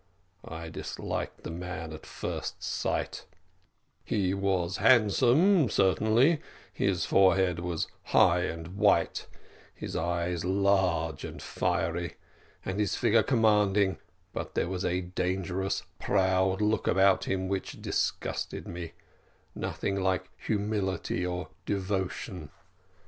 I disliked the man at first sight; he was handsome, certainly: his forehead was high and white, his eyes large and fiery, and his figure commanding; but there was a dangerous, proud look about him which disgusted me nothing like humility or devotion.